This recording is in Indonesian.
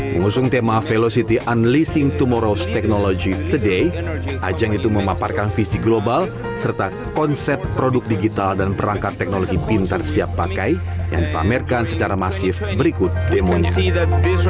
mengusung tema velocity unleasing tomoros technology to day ajang itu memaparkan visi global serta konsep produk digital dan perangkat teknologi pintar siap pakai yang dipamerkan secara masif berikut demonstrasi